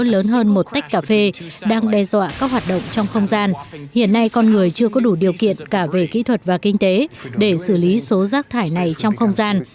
lớn hơn một tách cà phê đang đe dọa các hoạt động trong không gian hiện nay con người chưa có đủ điều kiện cả về kỹ thuật và kinh tế để xử lý số rác thải này trong không gian